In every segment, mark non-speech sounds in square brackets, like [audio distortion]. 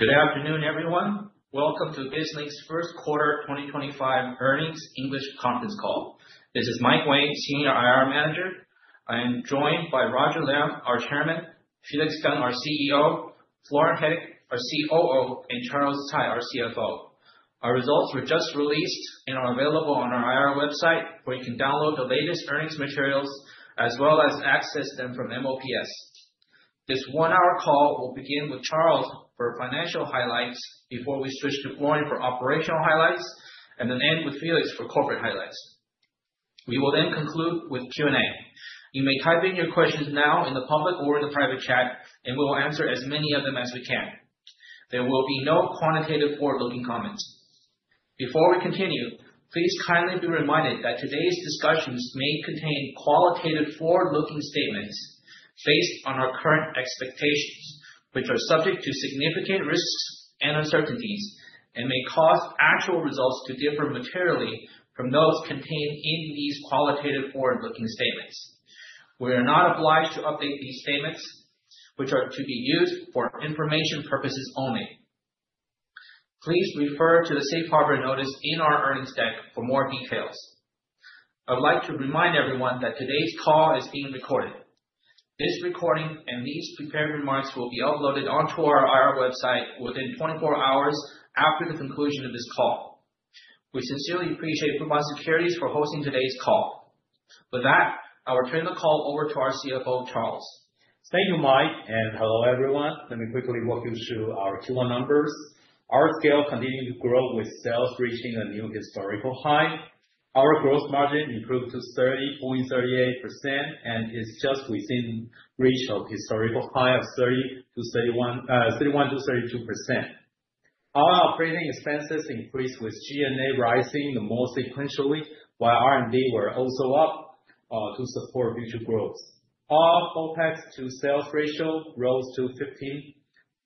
Good afternoon, everyone. Welcome to BizLink's First Quarter 2025 Earnings English Conference Call. This is Mike Wang, Senior IR Manager. I am joined by Roger Liang, our Chairman, Felix Teng, our CEO, Florian Hettich, our COO, and Charles Tsai, our CFO. Our results were just released and are available on our IR website, where you can download the latest earnings materials as well as access them from MOPS. This one-hour call will begin with Charles for financial highlights before we switch to Florian for operational highlights, and then end with Felix for corporate highlights. We will then conclude with Q&A. You may type in your questions now in the public or in the private chat, and we will answer as many of them as we can. There will be no quantitative forward-looking comments. Before we continue, please kindly be reminded that today's discussions may contain qualitative forward-looking statements, based on our current expectations, which are subject to significant risks and uncertainties and may cause actual results to differ materially from those contained in these qualitative forward-looking statements. We are not obliged to update these statements, which are to be used for information purposes only. Please refer to the Safe Harbor Notice in our earnings deck for more details. I would like to remind everyone that today's call is being recorded. This recording and these prepared remarks will be uploaded onto our IR website within 24 hours after the conclusion of this call. We sincerely appreciate Fubon Securities for hosting today's call. With that, I will turn the call over to our CFO, Charles. Thank you, Mike. Hello, everyone. Let me quickly walk you through our Q1 numbers. Our scale continues to grow, with sales reaching a new historical high. Our gross margin improved to 30.38%, and is just within reach of historical high of 31%-32%. Our operating expenses increased, with G&A rising the most sequentially, while R&D were also up to support future growth. Our OpEx to sales ratio rose to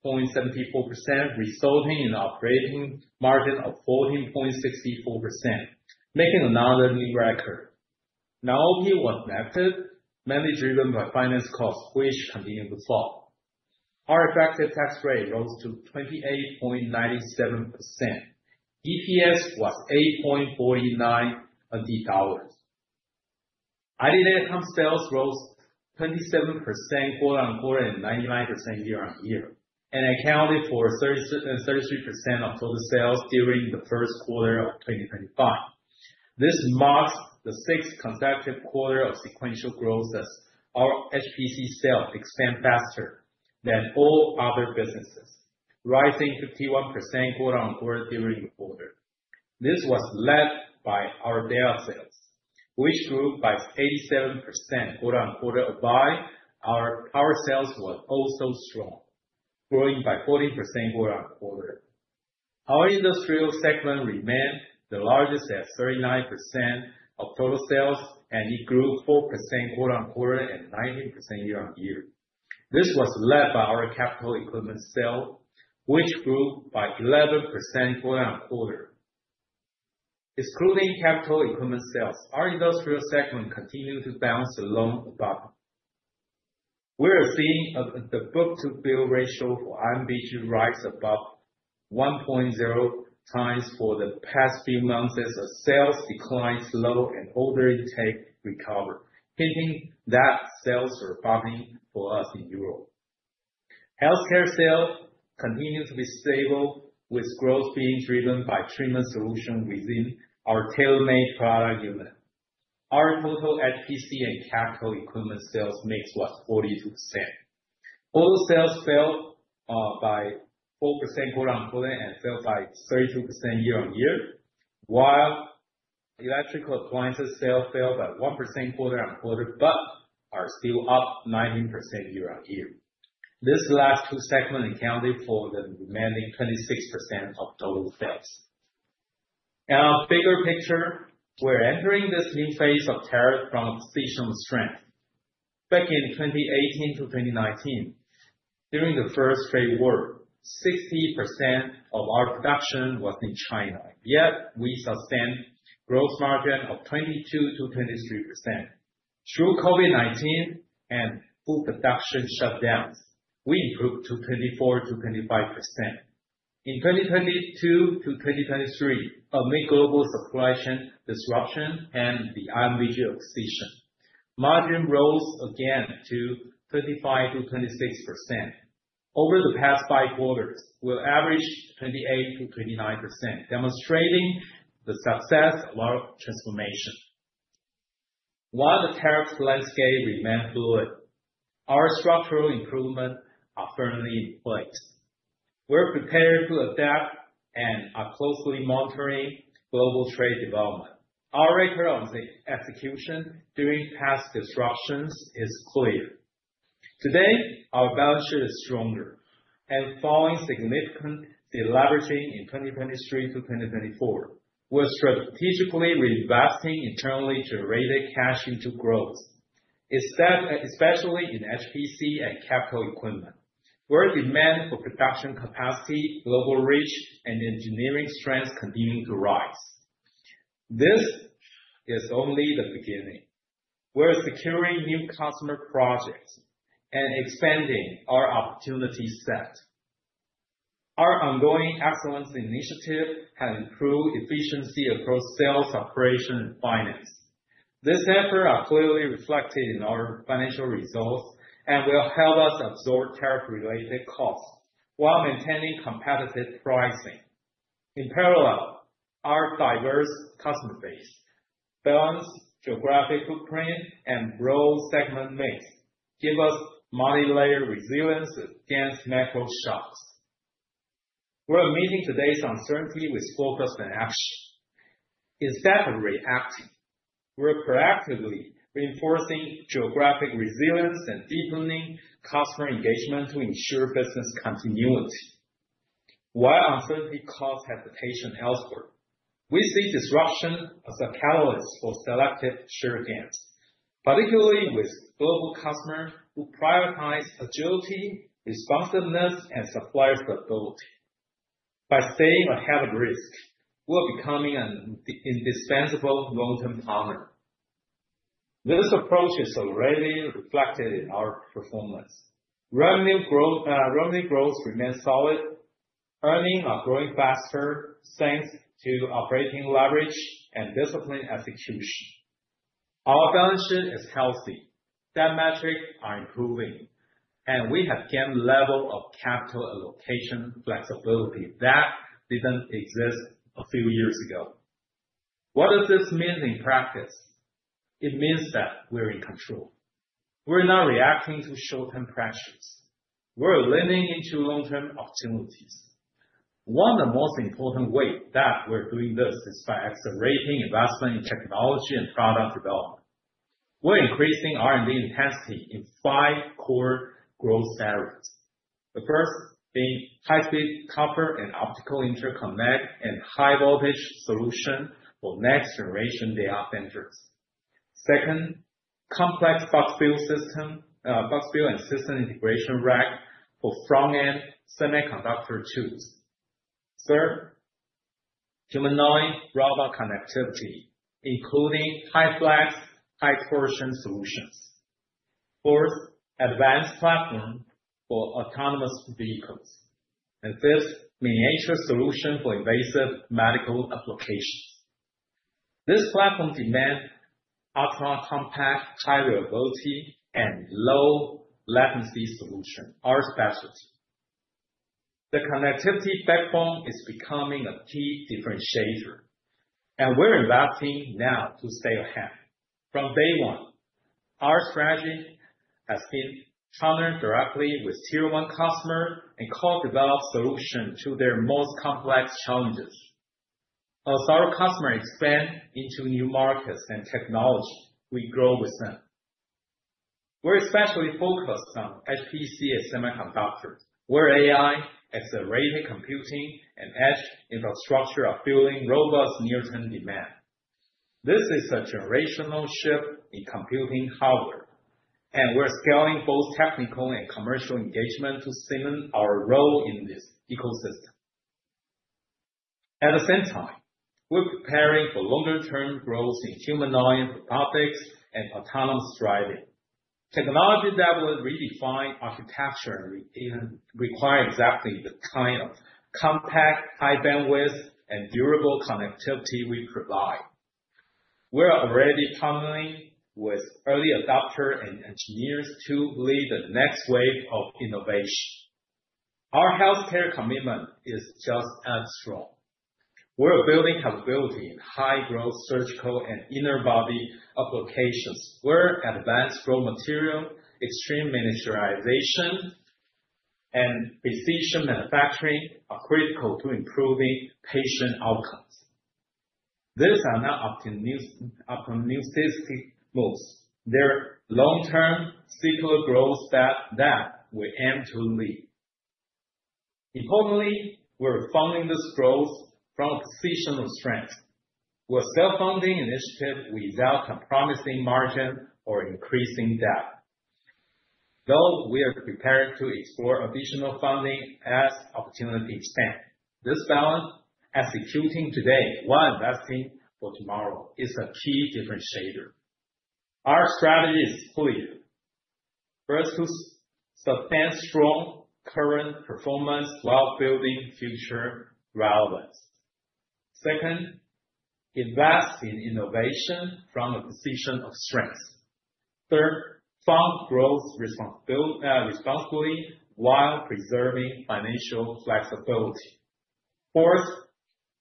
15.74%, resulting in an operating margin of 14.64%, making another new record. [audio distortion] was negative, mainly driven by finance costs, which continued to fall. Our effective tax rate rose to 28.97%. EPS was NT$8.49. [audio distortion] sales rose 27% quarter-on-quarter and 99% year-on-year, and accounted for 33% of total sales during the first quarter of 2025. This marks the sixth consecutive quarter of sequential growth as our HPC sales expand faster than all other businesses, rising 51% quarter-on-quarter during the quarter. This was led by our Dell sales, which grew by 87% quarter-on-quarter, while our power sales were also strong, growing by 14% quarter-on-quarter. Our industrial segment remained the largest at 39% of total sales, and it grew 4% quarter-on-quarter and 19% year-on-year. This was led by our capital equipment sales, which grew by 11% quarter- on-quarter. Excluding capital equipment sales, our industrial segment continued to bounce along the bottom. We are seeing the book-to-bill ratio for INBG rise above 1.0x for the past few months as our sales declined slow and order intake recovered, hinting that sales are bubbling for us in Europe. Healthcare sales continue to be stable, with growth being driven by treatment solutions within our tailor-made product unit. Our total HPC and capital equipment sales mix was 42%. Auto sales fell by 4% quarter-on-quarter and fell by 32% year-on-year, while electrical appliances sales fell by 1% quarter-on-quarter, but are still up 19% year-on-year. These last two segments accounted for the remaining 26% of total sales. In our bigger picture, we're entering this new phase of tariffs from a seasonal strength. Back in 2018-2019, during the First Trade War, 60% of our production was in China, yet we sustained a gross margin of 22%-23%. Through COVID-19 and through factory production shutdowns, we improved to 24%-25%. In 2022-2023, amid global supply chain disruption and the INBG acquisition, margin rose again to 25%-26%. Over the past five quarters, we averaged 28%-29%, demonstrating the success of our transformation. While the tariffs landscape remained fluid, our structural improvements are firmly in place. We're prepared to adapt and are closely monitoring global trade development. Our record on the execution during past disruptions is clear. Today, our balance sheet is stronger. Following significant deleveraging in 2023-2024, we're strategically reinvesting internally generated cash into growth, especially in HPC and capital equipment, where demand for production capacity, global reach, and engineering strength continue to rise. This is only the beginning. We're securing new customer projects and expanding our opportunity set. Our ongoing excellence initiative has improved efficiency across sales, operations, and finance. This effort is clearly reflected in our financial results, and will help us absorb tariff-related costs, while maintaining competitive pricing. In parallel, our diverse customer base, balanced geographic footprint, and broad segment mix give us a multi-layer resilience against macro shocks. We're meeting today's uncertainty with focus and action. Instead of reacting, we're proactively reinforcing geographic resilience and deepening customer engagement, to ensure business continuity. While uncertainty causes hesitation elsewhere, we see disruption as a catalyst for selective share gains, particularly with global customers who prioritize agility, responsiveness, and supplier stability. By staying ahead of risk, we're becoming an indispensable long-term partner. This approach is already reflected in our performance. Revenue growth remains solid. Earnings are growing faster thanks to operating leverage and disciplined execution. Our balance sheet is healthy. Debt metrics are improving, and we have gained a level of capital allocation flexibility that didn't exist a few years ago. What does this mean in practice? It means that we're in control. We're not reacting to short-term pressures. We're leaning into long-term opportunities. One of the most important ways that we're doing this is by accelerating investment in technology and product development. We're increasing R&D intensity in five core growth areas. The first being high-speed copper and optical interconnect, and high-voltage solution for next-generation DR vendors. Second, complex box build and system integration rack for front-end semiconductor tools. Third, humanoid robot connectivity, including high-flex, high-torsion solutions. Fourth, advanced platform for autonomous vehicles, and fifth, [miniature] solution for invasive medical applications. This platform demands ultra-compact, high-reliability, and low-latency solutions, our specialty. The connectivity backbone is becoming a key differentiator, and we're investing now to stay ahead. From day one, our strategy has been partnered directly with tier-one customers, and co-developed solutions to their most complex challenges. As our customers expand into new markets and technology, we grow with them. We're especially focused on HPC and semiconductors, where AI, accelerated computing, and edge infrastructure are fueling robust near-term demand. This is a generational shift in computing hardware, and we're scaling both technical and commercial engagement to cement our role in this ecosystem. At the same time, we're preparing for longer-term growth in humanoid robotics and autonomous driving. Technology that will redefine architecture and require exactly the kind of compact, high-bandwidth, and durable connectivity we provide. We're already partnering with early adopters and engineers to lead the next wave of innovation. Our healthcare commitment is just as strong. We're building capability in high-growth surgical and inner body applications, where advanced raw material, extreme miniaturization, and precision manufacturing are critical to improving patient outcomes. These are not optimistic moves. They're long-term cyclical growths that we aim to lead. Importantly, we're funding this growth from a position of strength. We're self-funding initiatives without compromising margin or increasing debt. Though we are prepared to explore additional funding as opportunities expand, this balance, executing today while investing for tomorrow is a key differentiator. Our strategy is clear. First, to sustain strong current performance while building future relevance. Second, invest in innovation from a position of strength. Third, fund growth responsibly while preserving financial flexibility. Fourth,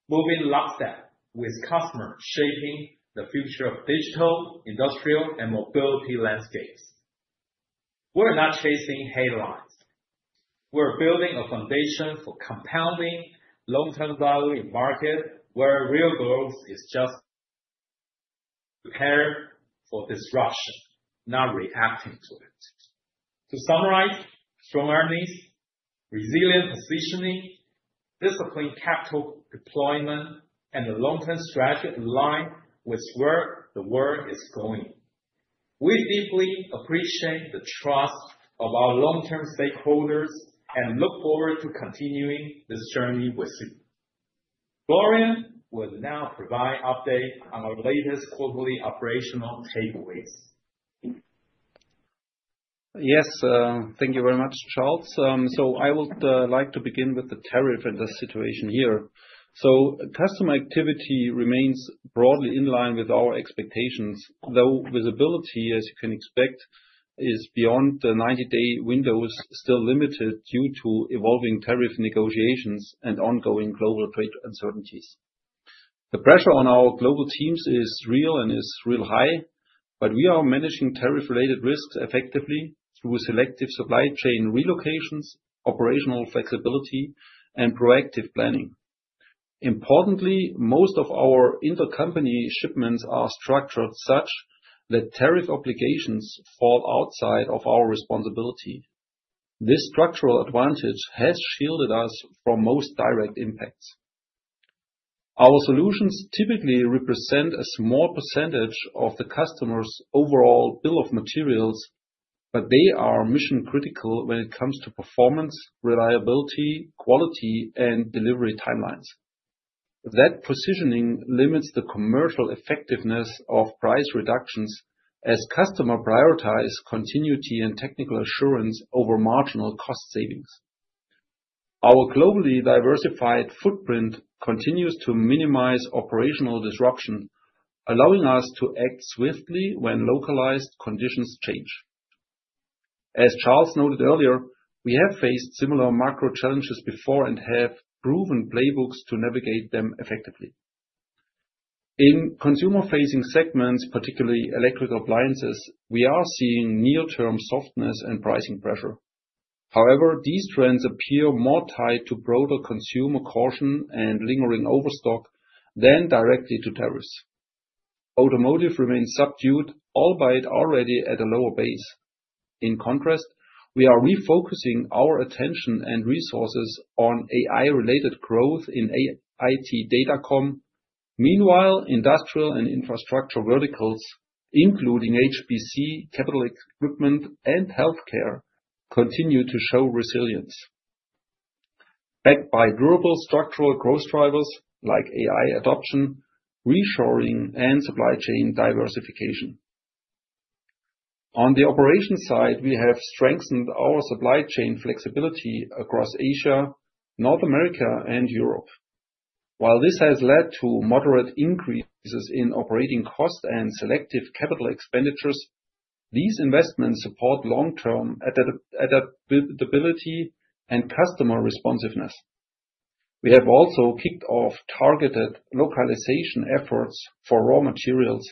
moving lockstep with customers, shaping the future of digital, industrial, and mobility landscapes. We're not chasing headlines. We're building a foundation for compounding long-term value in markets where real growth is just preparing for disruption, not reacting to it. To summarize, strong earnings, resilient positioning, disciplined capital deployment, and a long-term strategy aligned with where the world is going. We deeply appreciate the trust of our long-term stakeholders, and look forward to continuing this journey with you. Florian will now provide an update on our latest quarterly operational takeaways. Yes, Thank you very much, Charles. I would like to begin with the tariff and the situation here. Customer activity remains broadly in line with our expectations, though visibility, as you can expect, is beyond the 90-day windows, still limited due to evolving tariff negotiations and ongoing global trade uncertainties. The pressure on our global teams is real and is real high, but we are managing tariff-related risks effectively through selective supply chain relocations, operational flexibility, and proactive planning. Importantly, most of our inter-company shipments are structured such that tariff obligations fall outside of our responsibility. This structural advantage has shielded us from most direct impacts. Our solutions typically represent a small percentage of the customer's overall bill of materials, but they are mission-critical when it comes to performance, reliability, quality, and delivery timelines. That positioning limits the commercial effectiveness of price reductions, as customers prioritize continuity and technical assurance over marginal cost savings. Our globally diversified footprint continues to minimize operational disruption, allowing us to act swiftly when localized conditions change. As Charles noted earlier, we have faced similar macro challenges before and have proven playbooks to navigate them effectively. In consumer-facing segments, particularly electrical appliances, we are seeing near-term softness and pricing pressure. However, these trends appear more tied to broader consumer caution and lingering overstock than directly to tariffs. Automotive remains subdued, albeit already at a lower base. In contrast, we are refocusing our attention and resources on AI-related growth in IT Datacom. Meanwhile, industrial and infrastructure verticals, including HPC, capital equipment, and healthcare, continue to show resilience, backed by durable structural growth drivers like AI adoption, reshoring, and supply chain diversification. On the operations side, we have strengthened our supply chain flexibility across Asia, North America, and Europe. While this has led to moderate increases in operating costs and selective capital expenditures, these investments support long-term adaptability and customer responsiveness. We have also kicked off targeted localization efforts for raw materials,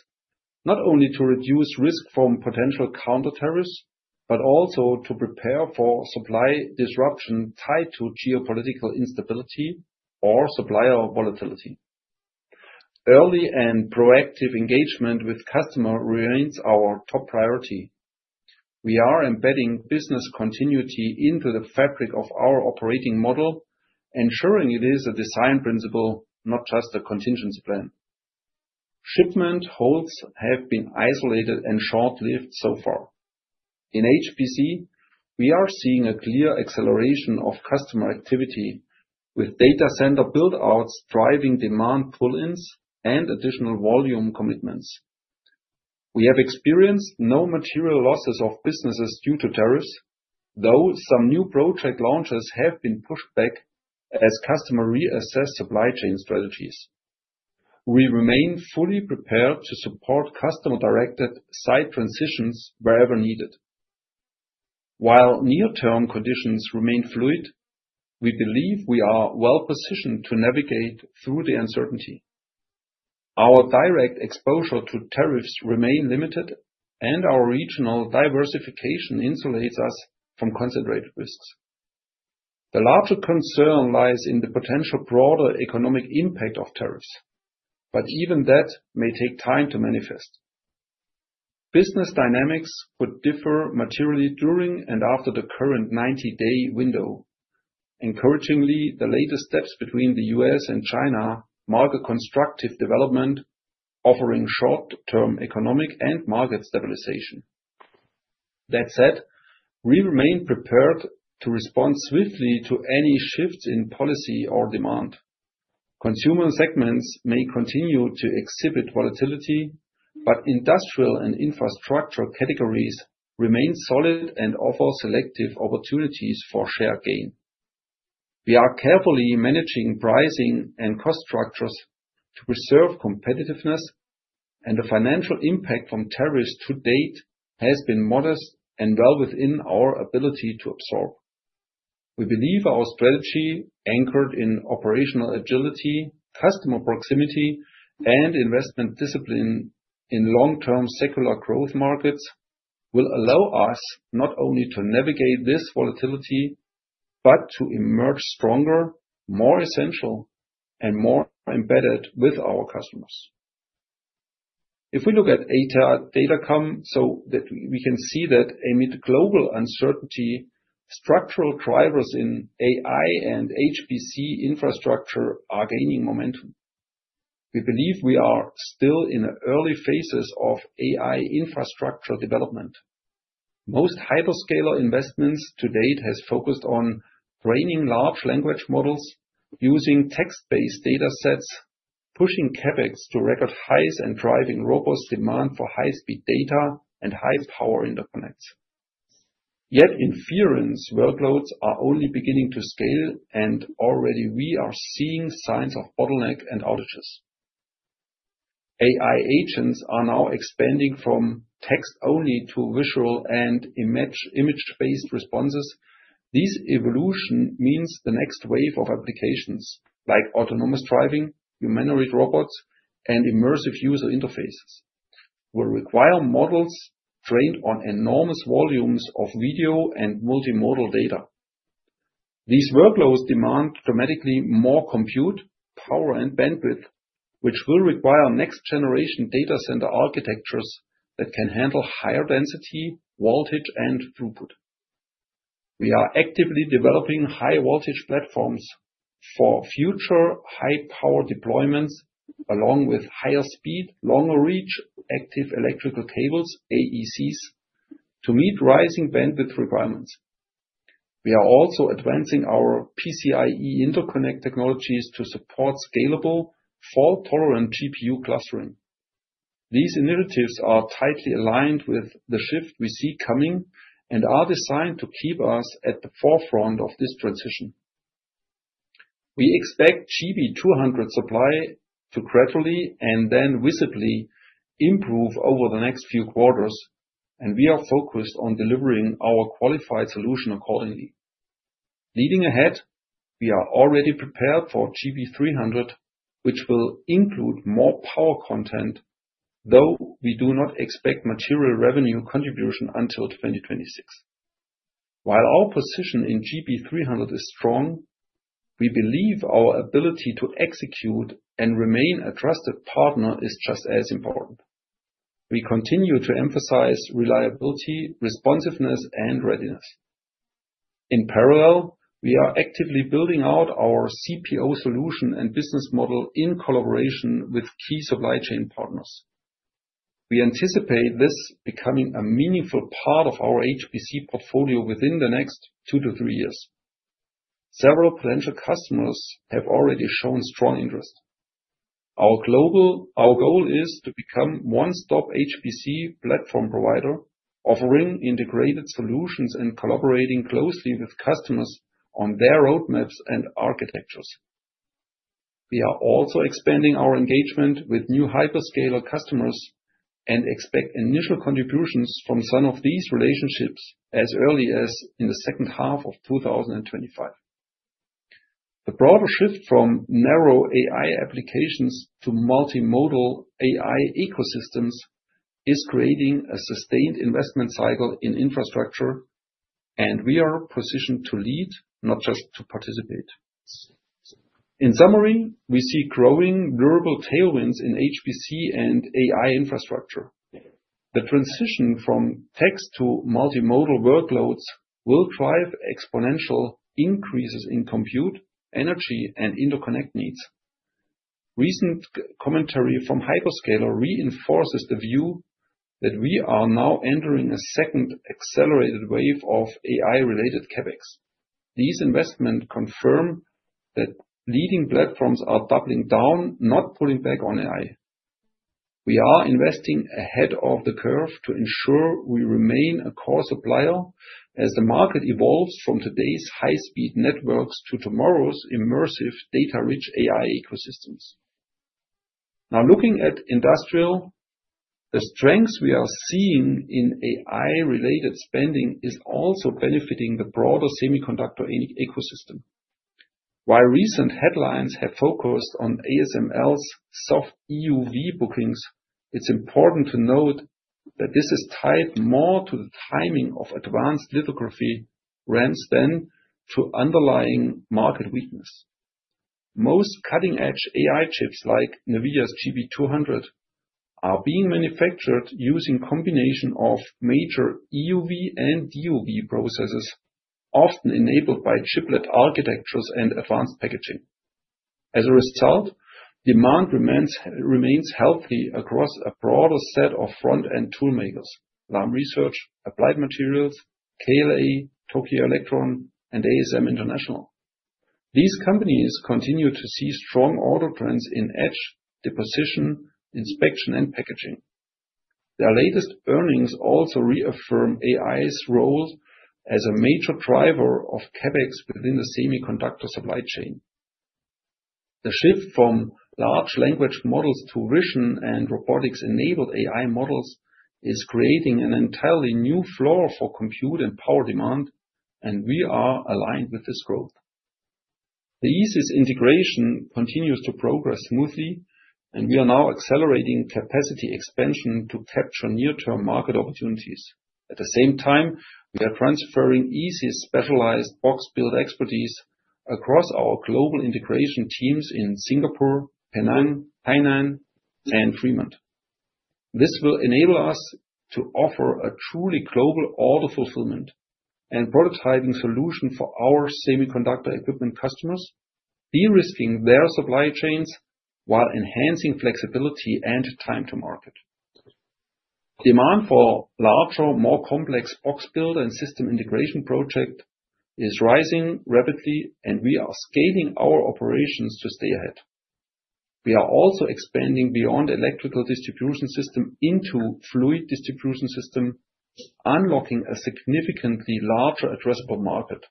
not only to reduce risk from potential counter-tariffs, but also to prepare for supply disruption tied to geopolitical instability or supplier volatility. Early and proactive engagement with customers remains our top priority. We are embedding business continuity into the fabric of our operating model, ensuring it is a design principle, not just a contingency plan. Shipment holds have been isolated and short-lived so far. In HPC, we are seeing a clear acceleration of customer activity, with data center buildouts driving demand pull-ins and additional volume commitments. We have experienced no material losses of businesses due to tariffs, though some new project launches have been pushed back as customers reassess supply chain strategies. We remain fully prepared to support customer-directed site transitions wherever needed. While near-term conditions remain fluid, we believe we are well-positioned to navigate through the uncertainty. Our direct exposure to tariffs remains limited, and our regional diversification insulates us from concentrated risks. The larger concern lies in the potential broader economic impact of tariffs, but even that may take time to manifest. Business dynamics could differ materially during and after the current 90-day window. Encouragingly, the latest steps between the U.S. and China mark a constructive development, offering short-term economic and market stabilization. That said, we remain prepared to respond swiftly to any shifts in policy or demand. Consumer segments may continue to exhibit volatility, but industrial and infrastructure categories remain solid and offer selective opportunities for share gain. We are carefully managing pricing and cost structures to preserve competitiveness, and the financial impact from tariffs to date has been modest and well within our ability to absorb. We believe our strategy, anchored in operational agility, customer proximity, and investment discipline in long-term secular growth markets will allow us not only to navigate this volatility, but to emerge stronger, more essential, and more embedded with our customers. If we look at our data comm, so we can see that amid global uncertainty, structural drivers in AI and HPC infrastructure are gaining momentum. We believe we are still in the early phases of AI infrastructure development. Most hyperscaler investments to date have focused on training large language models, using text-based data sets, pushing CapEx to record highs, and driving robust demand for high-speed data and high-power interconnects. Yet inference workloads are only beginning to scale, and already we are seeing signs of bottlenecks and outages. AI agents are now expanding from text-only to visual and image-based responses. This evolution means the next wave of applications, like autonomous driving, humanoid robots, and immersive user interfaces will require models trained on enormous volumes of video and multimodal data. These workloads demand dramatically more compute, power, and bandwidth, which will require next-generation data center architectures that can handle higher density, voltage, and throughput. We are actively developing high-voltage platforms for future high-power deployments, along with higher speed, longer reach, active electrical cables, AECs, to meet rising bandwidth requirements. We are also advancing our PCIe interconnect technologies to support scalable, fault-tolerant GPU clustering. These initiatives are tightly aligned with the shift we see coming, and are designed to keep us at the forefront of this transition. We expect GB200 supply to gradually and then visibly improve over the next few quarters, and we are focused on delivering our qualified solution accordingly. Leading ahead, we are already prepared for GB300, which will include more power content, though we do not expect material revenue contribution until 2026. While our position in GB300 is strong, we believe our ability to execute and remain a trusted partner is just as important. We continue to emphasize reliability, responsiveness, and readiness. In parallel, we are actively building out our CPO solution and business model in collaboration with key supply chain partners. We anticipate this becoming a meaningful part of our HPC portfolio within the next two to three years. Several potential customers have already shown strong interest. Our goal is to become a one-stop HPC platform provider, offering integrated solutions and collaborating closely with customers on their roadmaps and architectures. We are also expanding our engagement with new hyperscaler customers, and expect initial contributions from some of these relationships as early as in the second half of 2025. The broader shift from narrow AI applications to multimodal AI ecosystems is creating a sustained investment cycle in infrastructure, and we are positioned to lead, not just to participate. In summary, we see growing durable tailwinds in HPC and AI infrastructure. The transition from text to multimodal workloads will drive exponential increases in compute, energy, and interconnect needs. Recent commentary from hyperscalers reinforces the view that we are now entering a second accelerated wave of AI-related CapEx. These investments confirm that leading platforms are doubling down, not pulling back on AI. We are investing ahead of the curve to ensure we remain a core supplier as the market evolves from today's high-speed networks to tomorrow's immersive, data-rich AI ecosystems. Now, looking at industrial, the strengths we are seeing in AI-related spending are also benefiting the broader semiconductor ecosystem. While recent headlines have focused on ASML's soft EUV bookings, it's important to note that this is tied more to the timing of advanced lithography rather than to underlying market weakness. Most cutting-edge AI chips, like NVIDIA's GB200 are being manufactured using a combination of major EUV and DUV processes, often enabled by chiplet architectures and advanced packaging. As a result, demand remains healthy across a broader set of front-end toolmakers, Lam Research, Applied Materials, KLA, Tokyo Electron, and ASM International. These companies continue to see strong order trends in edge, deposition, inspection, and packaging. Their latest earnings also reaffirm AI's role as a major driver of CapEx within the semiconductor supply chain. The shift from large language models to vision and robotics-enabled AI models is creating an entirely new floor for compute and power demand, and we are aligned with this growth. The Easys integration continues to progress smoothly, and we are now accelerating capacity expansion to capture near-term market opportunities. At the same time, we are transferring Easys-specialized box-build expertise across our global integration teams in Singapore, Penang, Hainan, and Fremont. This will enable us to offer a truly global order fulfillment and prototyping solution for our semiconductor equipment customers, de-risking their supply chains while enhancing flexibility and time to market. Demand for larger, more complex box-build and system integration projects is rising rapidly, and we are scaling our operations to stay ahead. We are also expanding beyond electrical distribution systems into fluid distribution systems, unlocking a significantly larger addressable market.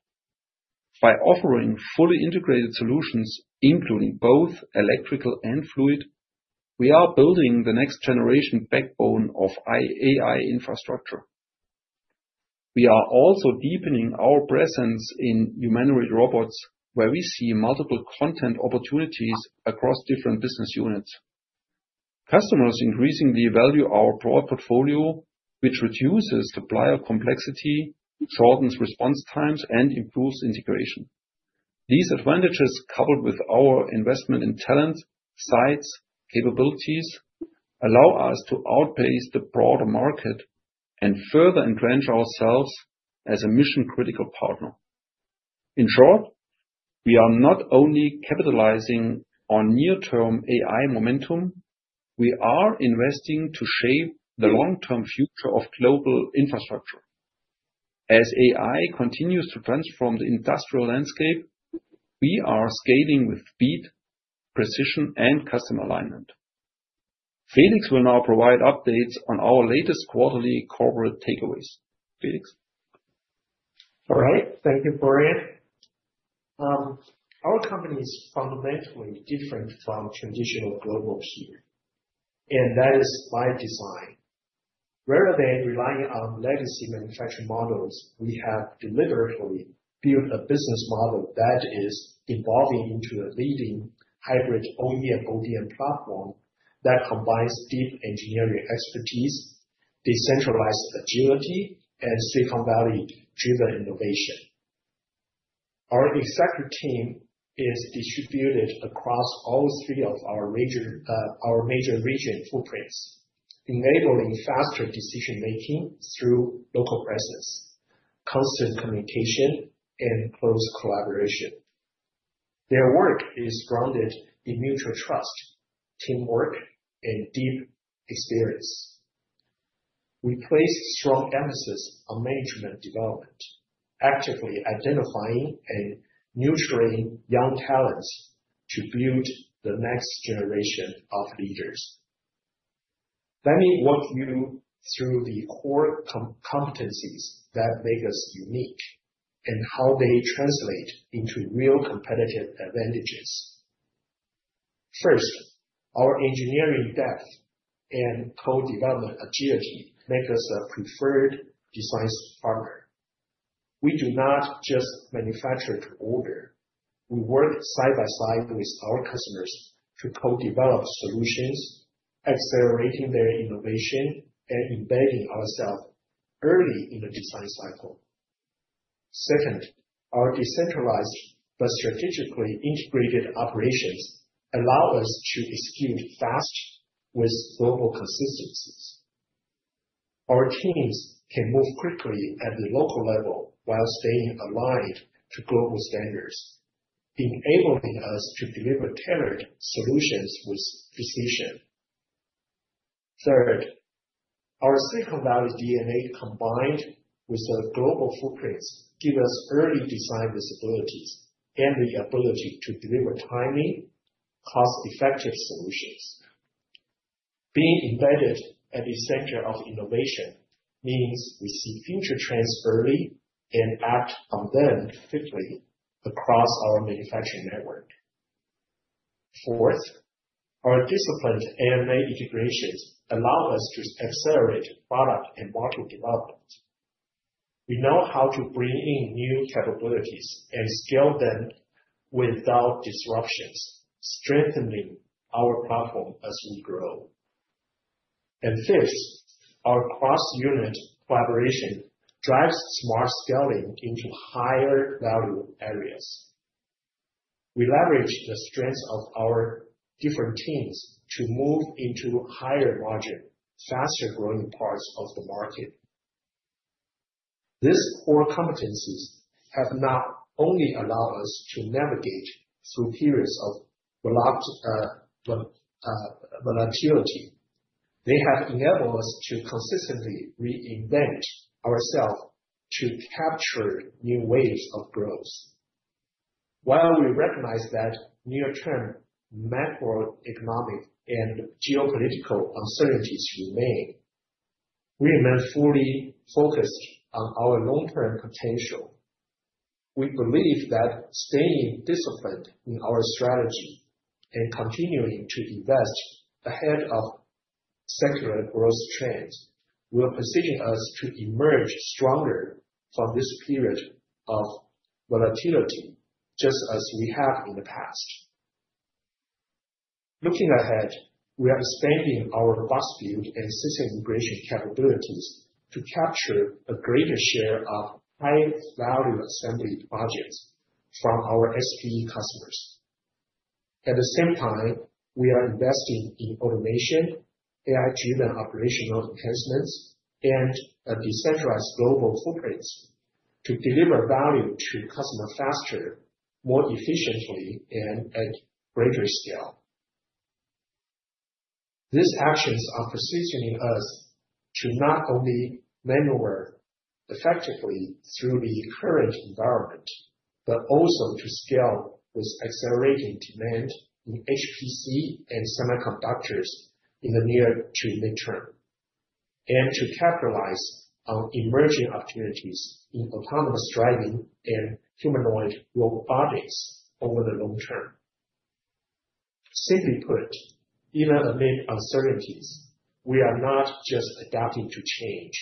By offering fully integrated solutions, including both electrical and fluid, we are building the next-generation backbone of AI infrastructure. We are also deepening our presence in humanoid robots, where we see multiple content opportunities across different business units. Customers increasingly value our broad portfolio, which reduces supplier complexity, shortens response times, and improves integration. These advantages, coupled with our investment in talent, sites, capabilities, allow us to outpace the broader market and further entrench ourselves as a mission-critical partner. In short, we are not only capitalizing on near-term AI momentum. We are investing to shape the long-term future of global infrastructure. As AI continues to transform the industrial landscape, we are scaling with speed, precision, and customer alignment. Felix will now provide updates on our latest quarterly corporate takeaways. Felix. All right. Thank you, Florian. Our company is fundamentally different from traditional global peers, and that is by design. Rather than relying on legacy manufacturing models, we have deliberately built a business model that is evolving into a leading hybrid OEM-ODM platform that combines deep engineering expertise, decentralized agility, and Silicon Valley-driven innovation. Our executive team is distributed across all three of our major region footprints, enabling faster decision-making through local presence, constant communication, and close collaboration. Their work is grounded in mutual trust, teamwork, and deep experience. We place strong emphasis on management development, actively identifying and nurturing young talents to build the next generation of leaders. Let me walk you through the core competencies that make us unique, and how they translate into real competitive advantages. First, our engineering depth and co-development agility make us a preferred design partner. We do not just manufacture to order. We work side by side with our customers to co-develop solutions, accelerating their innovation and embedding ourselves early in the design cycle. Second, our decentralized but strategically integrated operations, allow us to execute fast with global consistency. Our teams can move quickly at the local level while staying aligned to global standards, enabling us to deliver tailored solutions with precision. Third, our Silicon Valley DNA combined with the global footprints, gives us early design visibilities and the ability to deliver timely, cost-effective solutions. Being embedded at the center of innovation means we see future trends early and act on them quickly across our manufacturing network. Fourth, our disciplined M&A integrations allow us to accelerate product and market development. We know how to bring in new capabilities and scale them without disruptions, strengthening our platform as we grow. Fifth, our cross-unit collaboration drives smart scaling into higher value areas. We leverage the strengths of our different teams to move into higher margin, faster-growing parts of the market. These core competencies have not only allowed us to navigate through periods of volatility. They have enabled us to consistently reinvent ourselves to capture new waves of growth. While we recognize that near-term macroeconomic and geopolitical uncertainties remain, we remain fully focused on our long-term potential. We believe that staying disciplined in our strategy and continuing to invest ahead of secular growth trends will position us to emerge stronger from this period of volatility, just as we have in the past. Looking ahead, we are expanding our box-build and system integration capabilities to capture a greater share of high-value assembly projects from our SPE customers. At the same time, we are investing in automation, AI-driven operational enhancements, and decentralized global footprints to deliver value to customers faster, more efficiently, and at greater scale. These actions are positioning us to not only maneuver effectively through the current environment, but also to scale with accelerating demand in HPC and semiconductors in the near to mid-term, and to capitalize on emerging opportunities in autonomous driving and humanoid robotics over the long term. Simply put, even amid uncertainties, we are not just adapting to change.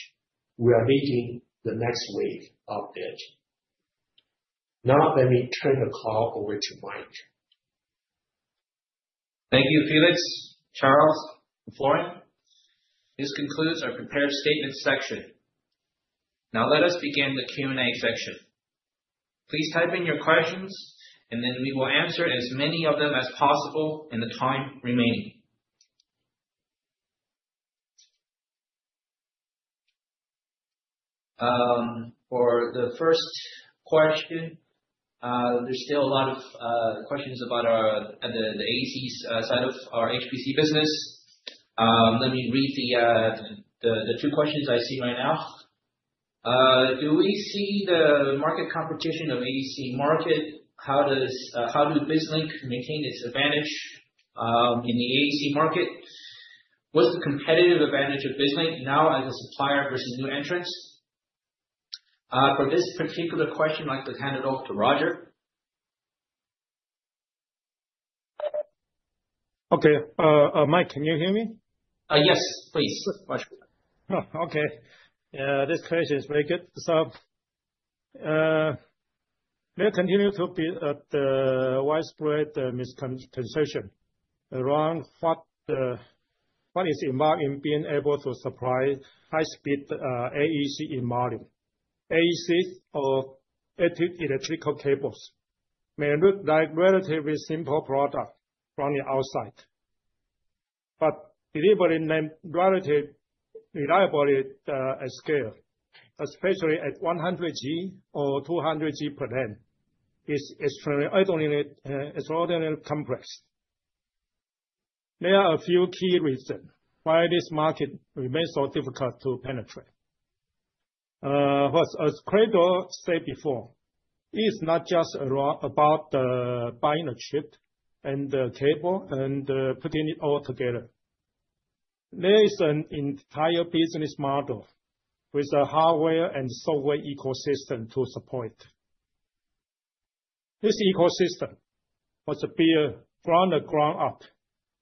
We are leading the next wave of it. Now, let me turn the call over to Mike. Thank you, Felix, Charles, and Florian. This concludes our prepared statement section. Now, let us begin the Q&A section. Please type in your questions, and then we will answer as many of them as possible in the time remaining. For the first question, there's still a lot of questions about the AEC side of our HPC business. Let me read the two questions I see right now. Do we see the market competition of AEC market? How does BizLink maintain its advantage in the AEC market? What's the competitive advantage of BizLink now as a supplier versus new entrants? For this particular question, I'd like to hand it over to Roger. Okay. Mike, can you hear me? Yes, please. Just go ahead. Okay. This question is very good, so we'll continue to be at the widespread misconception around what is involved in being able to supply high-speed AEC in volume. AECs or active electrical cables may look like relatively simple products from the outside, but delivering them relatively reliably at scale, especially at 100G or 200G per lane is extraordinarily complex. There are a few key reasons why this market remains so difficult to penetrate. As Credo said before, it's not just about buying a chip and the cable, and putting it all together. There is an entire business model with a hardware and software ecosystem to support it. This ecosystem was built from the ground up,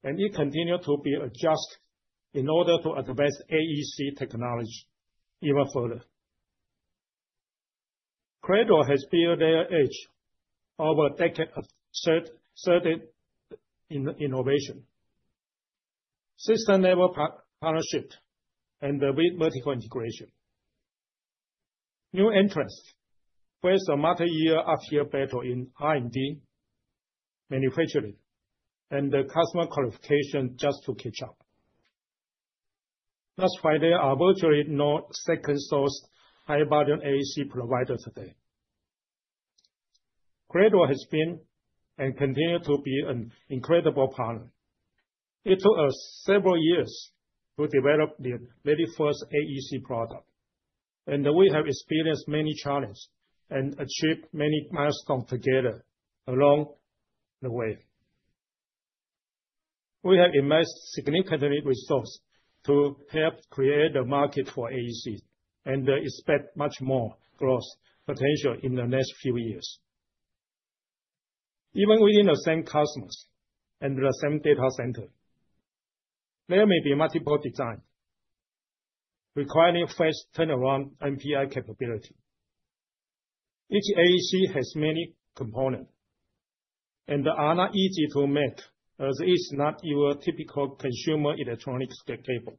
and it continued to be adjusted in order to advance AEC technology even further. Credo has built their edge over a decade of sustained innovation, system-level partnerships, and vertical integration. New entrants face a multi-year uphill battle in R&D, manufacturing, and customer qualification just to catch up. That's why there are virtually no second-source high-volume AEC providers today. Credo has been and continues to be an incredible partner. It took us several years to develop the very first AEC product, and we have experienced many challenges and achieved many milestones together along the way. We have invested significant resources to help create the market for AEC, and expect much more growth potential in the next few years. Even within the same customers and the same data center, there may be multiple designs requiring fast turnaround MPI capability. Each AEC has many components, and they are not easy to make as it's not your typical consumer electronics cable.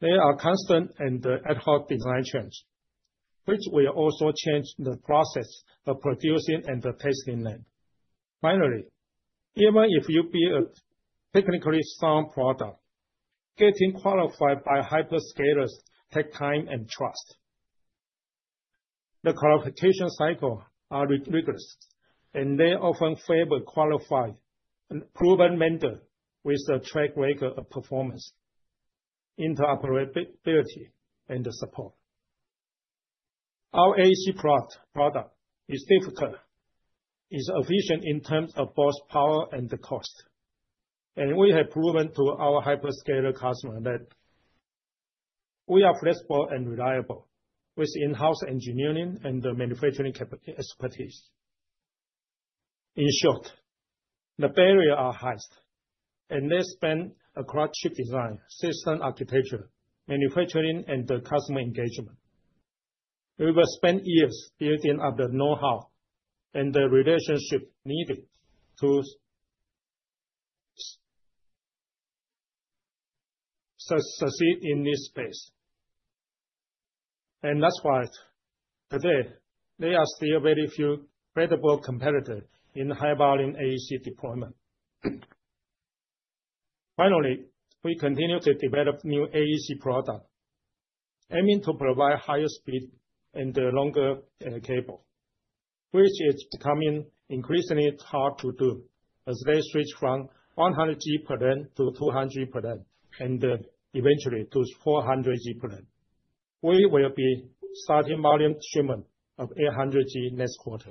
There are constant and ad hoc design changes, which will also change the process of producing and testing them. Finally, even if you build a technically sound product, getting qualified by hyperscalers takes time and trust. The qualification cycles are rigorous, and they often favor qualified and proven vendors with a track record of performance, interoperability, and support. Our AEC product is difficult, is efficient in terms of both power and cost. We have proven to our hyperscaler customers that we are flexible and reliable with in-house engineering and manufacturing expertise. In short, the barriers are highest, and they span across chip design, system architecture, manufacturing, and customer engagement. We will spend years building up the know-how, and the relationship needed to succeed in this space. That's why today there are still very few credible competitors in high-volume AEC deployment. Finally, we continue to develop new AEC products aiming to provide higher speed and longer cable, which is becoming increasingly hard to do as they switch from 100G per lane to 200G per lane, and eventually to 400G per lane. We will be starting volume shipment of 800G next quarter.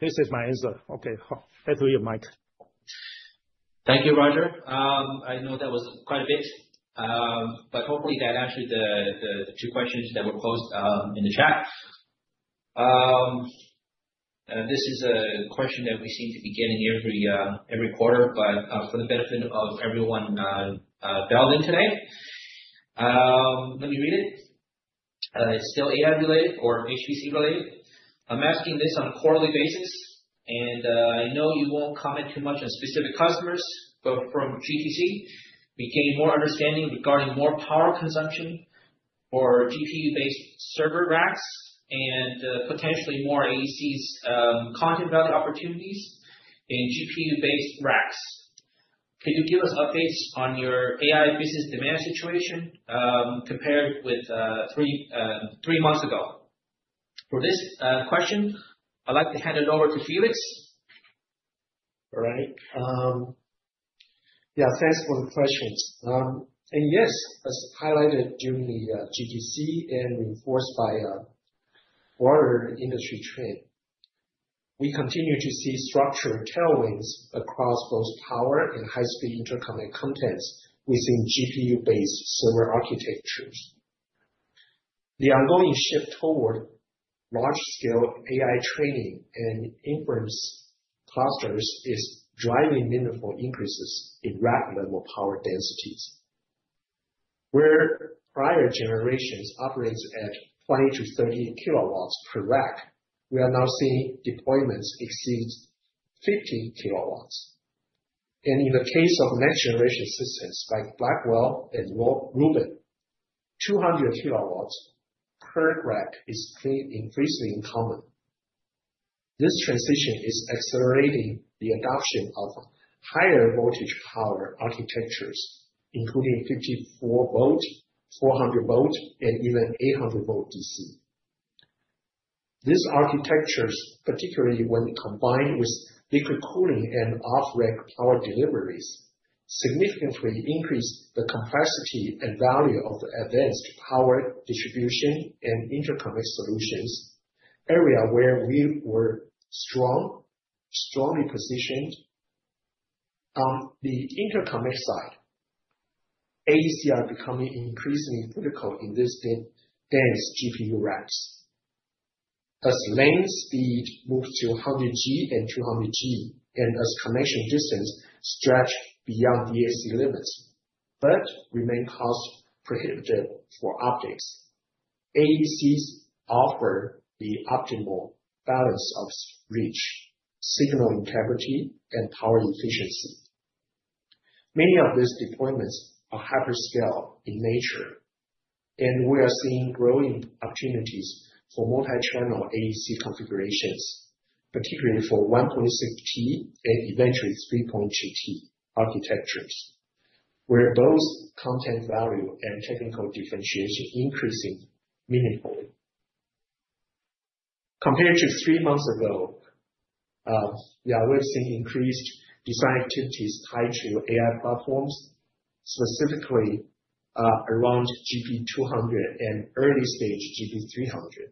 This is my answer. Okay, back to you, Mike. Thank you, Roger. I know that was quite a bit, but hopefully that answered the two questions that were posed in the chat. This is a question that we seem to be getting every quarter, but for the benefit of everyone that dialed in today, let me read it. It's still AI-related or HPC-related. I'm asking this on a quarterly basis, and I know you won't comment too much on specific customers, but from GTC, we gained more understanding regarding more power consumption for GPU-based server racks, and potentially more AECs' content value opportunities in GPU-based racks. Can you give us updates on your AI business demand situation compared with three months ago? For this question, I'd like to hand it over to Felix. All right. Yeah, thanks for the questions. Yes, as highlighted during the GTC and reinforced by a broader industry trend, we continue to see structural tailwinds across both power and high-speed interconnect contents within GPU-based server architectures. The ongoing shift toward large-scale AI training and inference clusters is driving meaningful increases in rack-level power densities. Where prior generations operated at 20-30 kW per rack, we are now seeing deployments exceed 50 kW. In the case of next-generation systems like Blackwell and Rubin, 200 kW per rack is increasingly common. This transition is accelerating the adoption of higher voltage power architectures, including 54 V, 400 V, and even 800 V DC. These architectures, particularly when combined with liquid cooling and off-rack power deliveries, significantly increase the complexity and value of advanced power distribution and interconnect solutions, an area where we were strongly positioned on the interconnect side, AECs are becoming increasingly critical in these dense GPU racks as lane speed moves to 100G and 200G, and as connection distance stretches beyond DAC limits, but remains cost-prohibitive for optics. AECs offer the optimal balance of reach, signal integrity, and power efficiency. Many of these deployments are hyperscale in nature, and we are seeing growing opportunities for multi-channel AEC configurations, particularly for 1.6T and eventually 3.2T architectures, where both content value and technical differentiation are increasing meaningfully. Compared to three months ago, we have seen increased design activities tied to AI platforms, specifically around GB200 and early-stage GB300.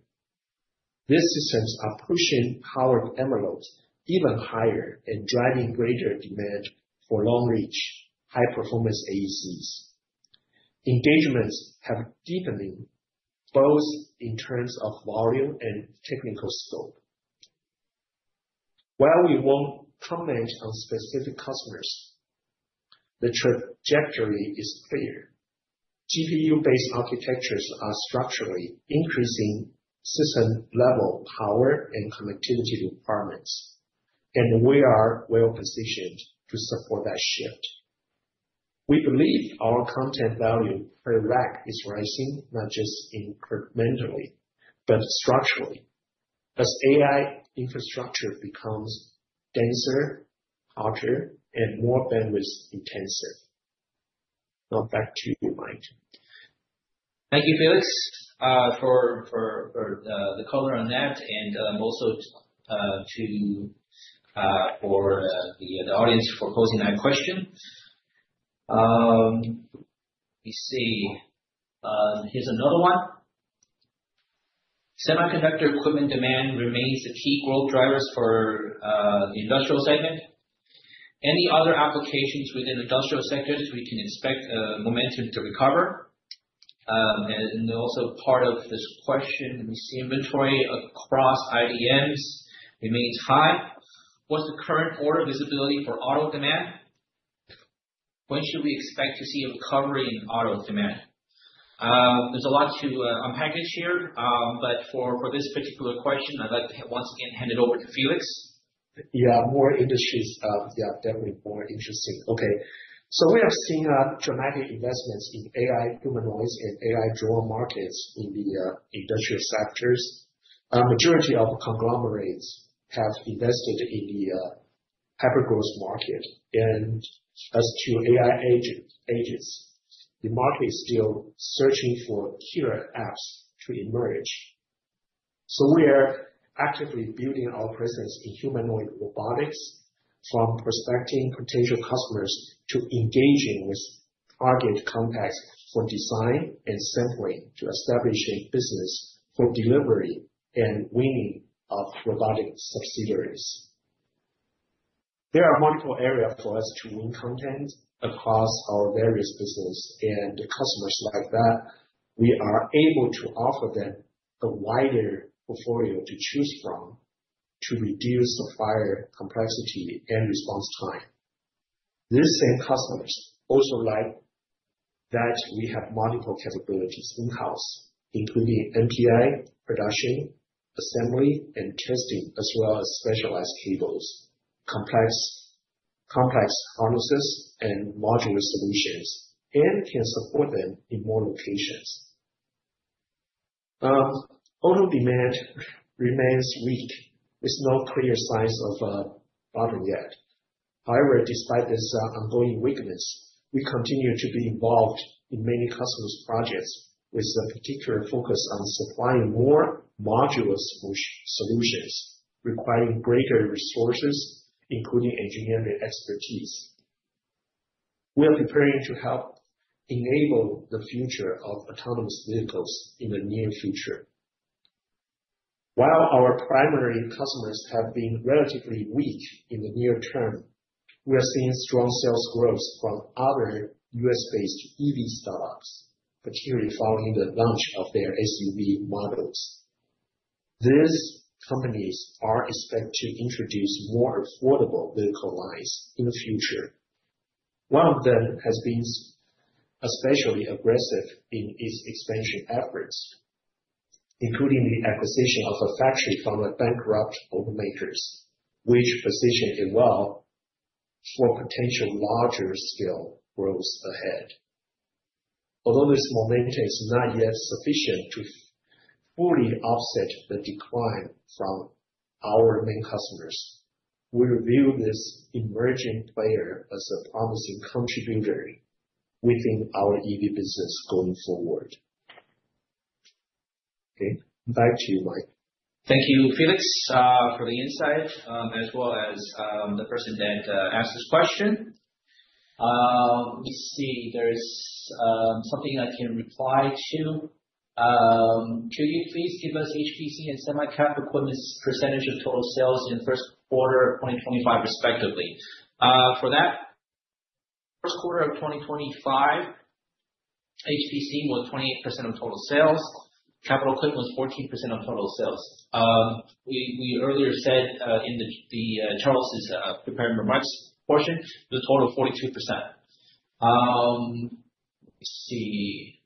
These systems are pushing power envelopes even higher and driving greater demand for long-reach, high-performance AECs. Engagements have deepened both in terms of volume and technical scope. While we won't comment on specific customers, the trajectory is clear. GPU-based architectures are structurally increasing system-level power and connectivity requirements, and we are well-positioned to support that shift. We believe our content value per rack is rising, not just incrementally, but structurally, as AI infrastructure becomes denser, hotter, and more bandwidth-intensive. Now, back to you, Mike. Thank you, Felix for the color on that, and also for the audience for posing that question. Let me see, here's another one. Semiconductor equipment demand remains the key growth drivers for the industrial segment. Any other applications within industrial sectors we can expect momentum to recover? Also, part of this question, we see inventory across IDMs remains high. What's the current order visibility for auto demand? When should we expect to see a recovery in auto demand? There's a lot to unpack here, but for this particular question, I'd like to once again hand it over to Felix. Yeah, more industries. Yeah, definitely more interesting. Okay, we have seen dramatic investments in AI humanoids and AI drone markets in the industrial sectors. A majority of conglomerates have invested in the hypergrowth market. As to AI agents, the market is still searching for killer apps to emerge. We are actively building our presence in humanoid robotics, from prospecting potential customers to engaging with target contacts for design and sampling to establish a business for delivery and winning of robotic subsidiaries. There are multiple areas for us to win content across our various businesses, and customers like that. We are able to offer them a wider portfolio to choose from, to reduce supplier complexity and response time. These same customers also like that we have multiple capabilities in-house, including MPI production, assembly, and testing, as well as specialized cables, complex harnesses, and modular solutions, and can support them in more locations. Auto demand remains weak, with no clear signs of a bottom yet. However, despite this ongoing weakness, we continue to be involved in many customers' projects, with a particular focus on supplying more modular solutions requiring greater resources, including engineering expertise. We are preparing to help enable the future of autonomous vehicles in the near future. While our primary customers have been relatively weak in the near term, we are seeing strong sales growth from other U.S.-based EV startups, particularly following the launch of their SUV models. These companies are expected to introduce more affordable vehicle lines in the future. One of them has been especially aggressive in its expansion efforts, including the acquisition of a factory from bankrupt automakers, which positioned it well for potential larger-scale growth ahead. Although this momentum is not yet sufficient to fully offset the decline from our main customers, we review this emerging player as a promising contributor within our EV business going forward. Okay, back to you, Mike. Thank you, Felix for the insight, as well as the person that asked this question. Let me see. There's something I can reply to. Could you please give us HPC and semicap equipment's percentage of total sales in the first quarter of 2025, respectively? For that, quarter of 2025, HPC was 28% of total sales. Capital equipment was 14% of total sales. We earlier said in the Charles's prepared remarks portion, the total was 42%. Let me see.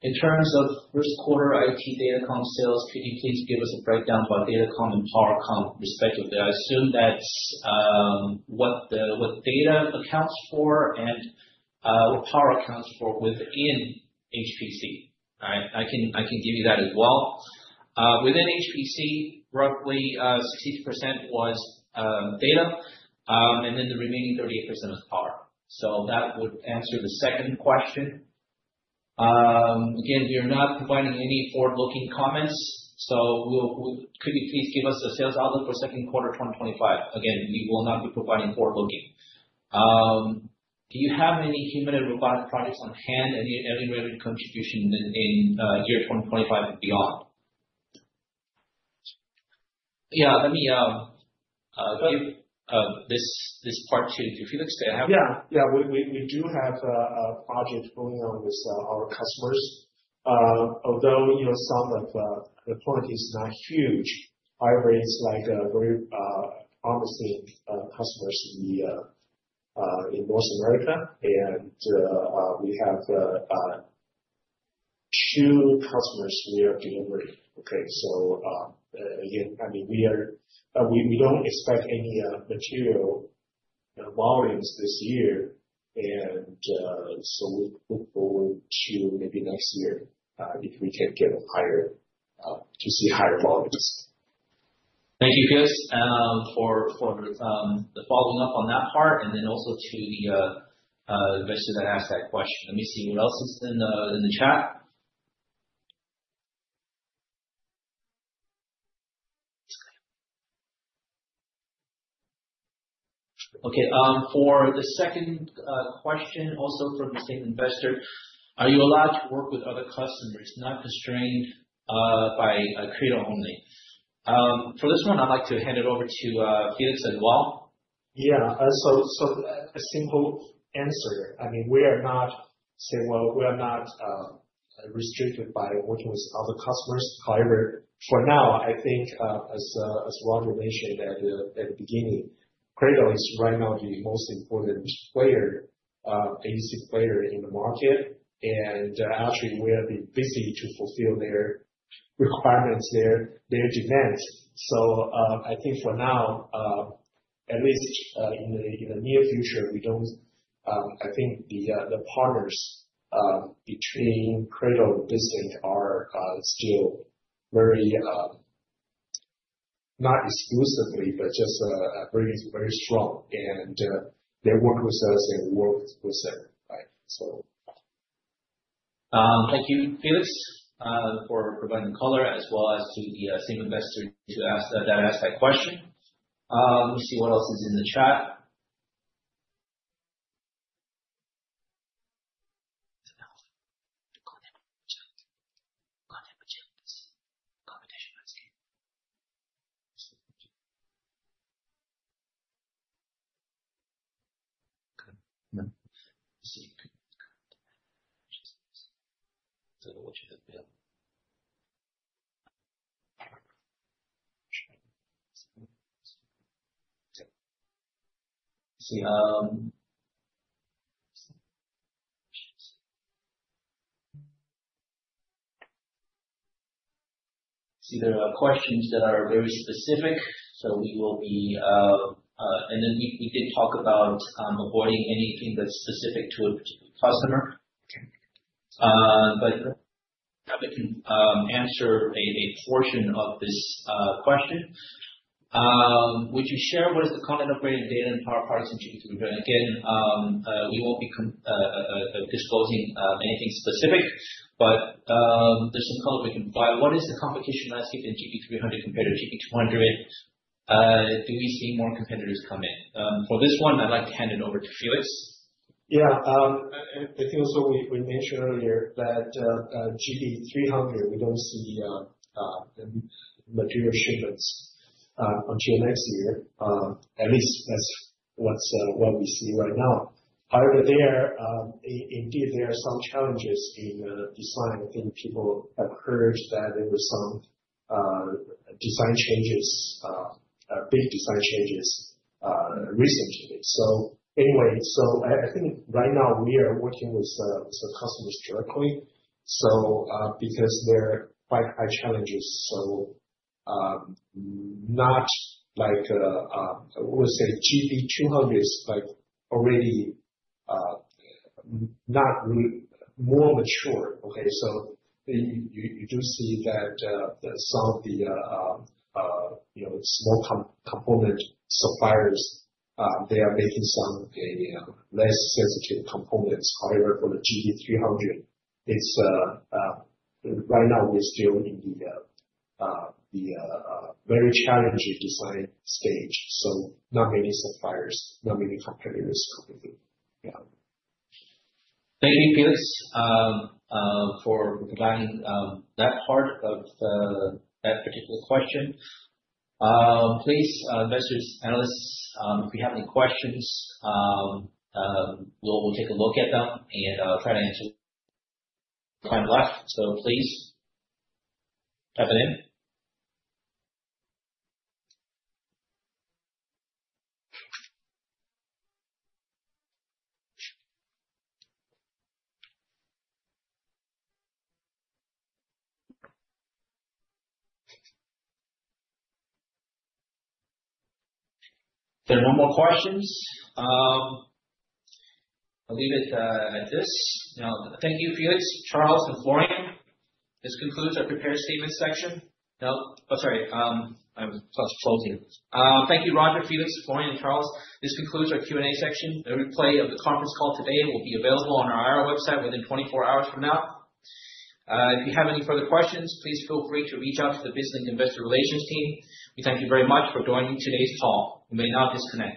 In terms of first-quarter IT data com sales, could you please give us a breakdown for Datacom and power com, respectively? I assume that's what data accounts for and what power accounts for within HPC. I can give you that as well. Within HPC, roughly 60% was data, and then the remaining 38% was power. That would answer the second question. Again, we are not providing any forward-looking comments. Could you please give us a sales outlook for second quarter 2025? Again, we will not be providing forward-looking. Do you have any humanoid robotic projects on hand and any related contribution in year 2025 and beyond? Yeah, let me give this part to Felix to help. Yeah, we do have a project going on with our customers. Although some of the quantity is not huge, however, it's very promising customers in North America. We have two customers we are delivering. Okay, again, we don't expect any material volumes this year. We look forward to maybe next year, if we can get to see higher volumes. Thank you, Felix for following up on that part, and then also to the investor that asked that question. Let me see what else is in the chat. Okay, for the second question, also from the same investor, are you allowed to work with other customers, not constrained by Credo only? For this one, I'd like to hand it over to Felix as well. Yeah, so a simple answer. We are not restricted by working with other customers. However, for now, I think as Roger mentioned at the beginning, Credo is right now the most important AEC player in the market. Actually, we are busy to fulfill their requirements, their demands. I think for now, at least in the near future, I think the partners between Credo and BizLink are still very not exclusively, but just very strong. They work with us and work with them. Thank you, Felix for providing the color, as well as to the same investor that asked that question. Let me see what else is in the chat. [audio distortion] I see, there are questions that are very specific, and then we did talk about avoiding anything that's specific to a particular customer. I can answer a portion of this question. Would you share what is the content upgrade in data and power products in GB300? Again, we won't be disclosing anything specific, but there's some color we can provide. What is the competition landscape in GB300 compared to GB200? Do we see more competitors come in? For this one, I'd like to hand it over to Felix. Yeah. I think also we mentioned earlier that GB300, we don't see the material shipments until next year. At least that's what we see right now. However, indeed, there are some challenges in design. I think people have heard that there were some big design changes recently. Anyway, so I think right now we are working with some customers directly, because they're quite high challenges. I would say, GB200 is already more mature. Okay, so you do see that some of the small component suppliers, they are making some less sensitive components. However, for the GB300, right now we're still in the very challenging design stage, so not many suppliers, not many competitors. Thank you, Felix for providing that part of that particular question. Please, investors, analysts, if you have any questions, we'll take a look at them and try to answer them later, so please type it in. There no more questions. I'll leave it at this. Thank you, Felix, Charles, and Florian. This concludes our prepared statement section. No, I'm sorry. I'm close to closing. Thank you, Roger, Felix, Florian, and Charles. This concludes our Q&A section. The replay of the conference call today will be available on our IR website within 24 hours from now. If you have any further questions, please feel free to reach out to the BizLink investor relations team. We thank you very much for joining today's call. You may now disconnect.